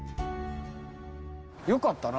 よかったな。